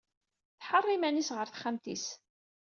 Tḥeṛṛ iman-is ɣer texxamt-is.